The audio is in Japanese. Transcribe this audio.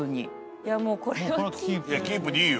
いやキープでいいよ。